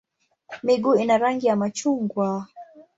Miguu ina rangi ya machungwa.